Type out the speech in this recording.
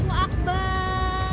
selamat pagi selamat pagi